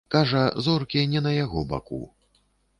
Кажа, зоркі не на яго баку.